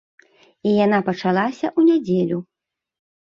І яна пачалася ў нядзелю.